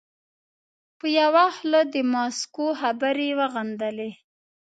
په یوه خوله د ماسکو خبرې وغندلې.